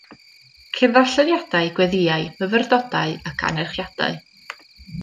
Ceir darlleniadau, gweddïau, myfyrdodau ac anerchiadau.